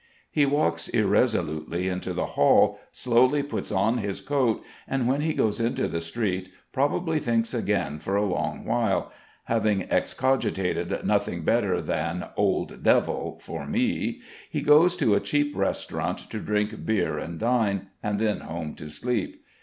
He walks irresolutely into the hall, slowly puts on his coat, and, when he goes into the street, probably thinks again for a long while; having excogitated nothing better than "old devil" for me, he goes to a cheap restaurant to drink beer and dine, and then home to sleep.